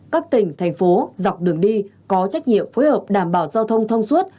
các tỉnh thành phố dọc đường đi có trách nhiệm phối hợp đảm bảo giao thông thông suốt